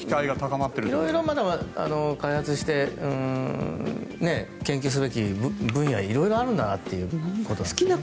いろいろ、まだまだ開発して研究すべき分野はあるんだなということですね。